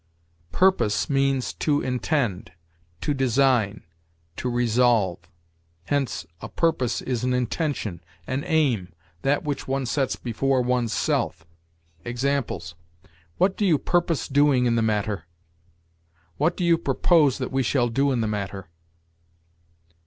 Purpose means, to intend, to design, to resolve; hence, a purpose is an intention, an aim, that which one sets before one's self. Examples: "What do you purpose doing in the matter?" "What do you propose that we shall do in the matter?"